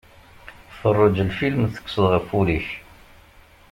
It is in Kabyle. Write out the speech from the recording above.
Ferrej lfilm, tekkseḍ ɣef ul-ik.